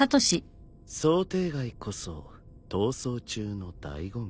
想定外こそ逃走中の醍醐味。